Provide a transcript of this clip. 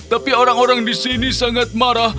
tapi orang orang di sini sangat marah